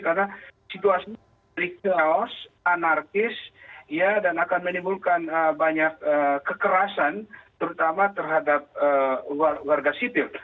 karena situasi ini anarkis ya dan akan menimbulkan banyak kekerasan terutama terhadap warga sipil